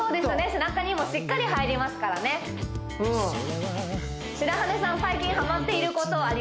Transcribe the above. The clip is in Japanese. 背中にもしっかり入りますからねうん